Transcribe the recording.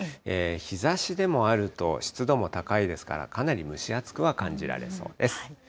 日ざしでもあると、湿度も高いですから、かなり蒸し暑くは感じられそうです。